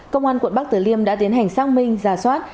công an quận bắc tử liêm đã tiến hành sang minh ra soát